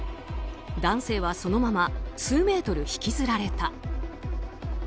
男性はそのまま数メートル引きずられた。